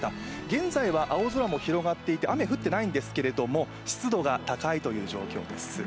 現在は青空が広がっていて雨、降っていないんですけれども湿度が高いという状況です。